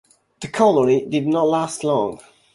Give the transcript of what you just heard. The colony did not last long.